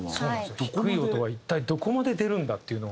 低い音は一体どこまで出るんだっていうのを。